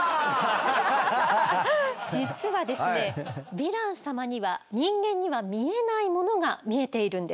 ヴィラン様には人間には見えないものが見えているんです。